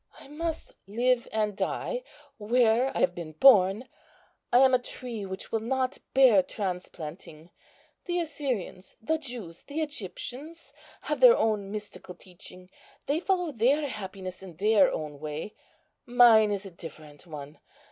I must live and die where I have been born. I am a tree which will not bear transplanting. The Assyrians, the Jews, the Egyptians, have their own mystical teaching. They follow their happiness in their own way; mine is a different one.